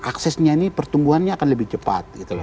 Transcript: aksesnya ini pertumbuhannya akan lebih cepat